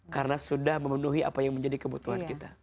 karena sudah memenuhi apa yang menjadi kebutuhan kita